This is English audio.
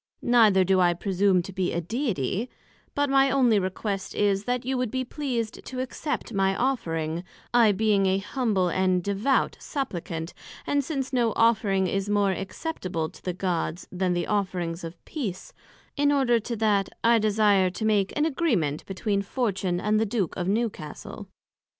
Neither do I presume to be a Deity; but my onely request is, that you would be pleased to accept of my Offering, I being an humble and devout supplicant; and since no offering is more acceptable to the Gods, then the offering of Peace; in order to that, I desire to make an agreement between Fortune, and the Duke of Newcastle.